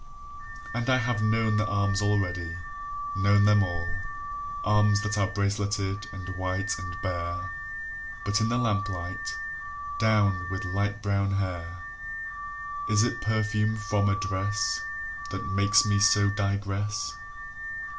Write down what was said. And I have known the arms already, known them all Arms that are braceleted and white and bare [But in the lamplight, downed with light brown hair!] Is it perfume from a dress That makes me so digress?